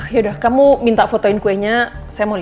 yaudah kamu minta fotoin kuenya saya mau lihat